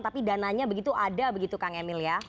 tapi dananya begitu ada begitu kang emil ya